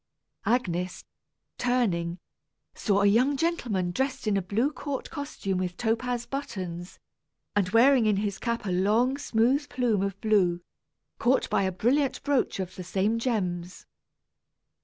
Agnes, turning, saw a young gentleman dressed in a blue court costume with topaz buttons, and wearing in his cap a long smooth plume of blue, caught by a brilliant brooch of the same gems.